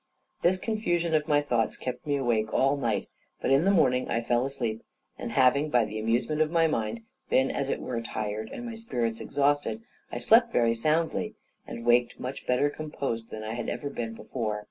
This confusion of my thoughts kept me awake all night; but in the morning I fell asleep; and having, by the amusement of my mind, been as it were tired, and my spirits exhausted, I slept very soundly, and waked much better composed than I had ever been before.